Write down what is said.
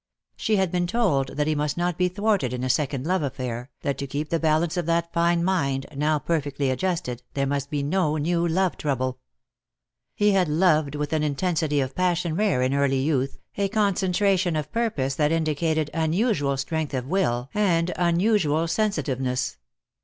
She had been told that he must not be thwarted in a second love affair, that to keep the balance of that fine mind, now perfectly adjusted, there must be no new love trouble. He had loved with an intensity of passion rare in early youth, a concentration of purpose that indicated unusual strength of will and unusual sensitiveness.